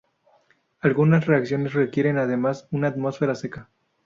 Algunas reacciones requieren, además, una atmósfera seca.